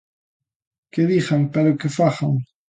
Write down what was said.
Que digan pero que fagan.